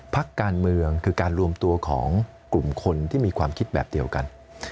พักการเมืองคือการรวมตัวของกลุ่มคนที่มีความคิดแบบเดียวกัน